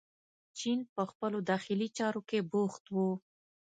چین په خپلو داخلي چارو کې بوخت و.